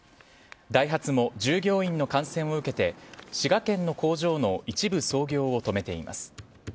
ダイハツも従業員の感染を受けて滋賀県の工場の一部操業を止めています。